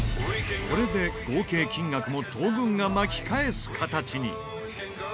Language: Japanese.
これで合計金額も東軍が巻き返す形に。